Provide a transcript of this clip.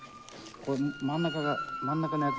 ここ真ん中が真ん中のやつ